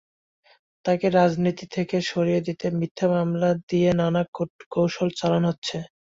তাঁকে রাজনীতি থেকে সরিয়ে দিতে মিথ্যা মামলা দিয়ে নানা কূটকৌশল চালানো হচ্ছে।